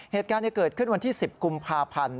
เหตุการณ์เกิดขึ้นวันที่๑๐กุมภาพันธ์